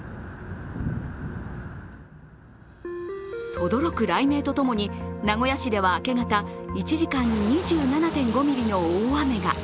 とどろく雷鳴とともに名古屋市では明け方、１時間に２７．５ミリの大雨が。